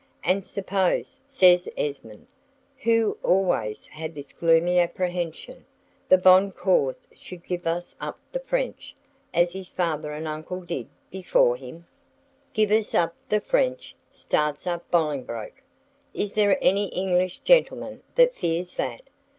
"And suppose," says Esmond, who always had this gloomy apprehension, "the bonne cause should give us up to the French, as his father and uncle did before him?" "Give us up to the French!" starts up Bolingbroke; "is there any English gentleman that fears that?